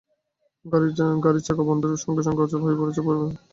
গাড়ির চাকা বন্ধের সঙ্গে সঙ্গে অচল হয়ে পড়ছে পরিবহনশ্রমিকের সংসারের চাকাও।